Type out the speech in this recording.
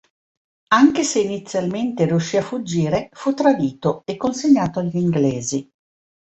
Anche se inizialmente riuscì a fuggire, fu tradito e consegnato agli inglesi.